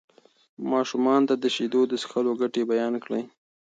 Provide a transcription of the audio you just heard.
ماشومانو ته د شیدو د څښلو ګټې بیان کړئ.